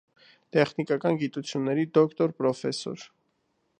Տեխնիկական գիտությունների դոկտոր, պրոֆեսոր։